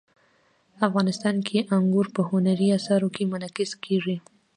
افغانستان کې انګور په هنري اثارو کې منعکس کېږي.